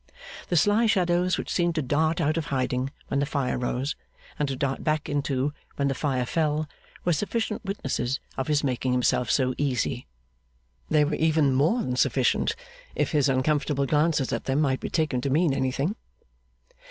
The sly shadows which seemed to dart out of hiding when the fire rose, and to dart back into it when the fire fell, were sufficient witnesses of his making himself so easy. They were even more than sufficient, if his uncomfortable glances at them might be taken to mean anything.